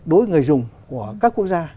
đối với người dùng của các quốc gia